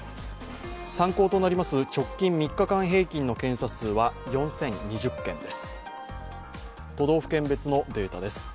参考となります直近３日間平均の検査数は４０２０件です。